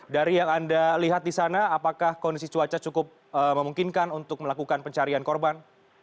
dari yang anda lihat di sana apakah kondisi cuaca cukup memungkinkan untuk melakukan pencarian korban